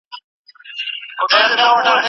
مشران به په لويه جرګه کي راټول سي.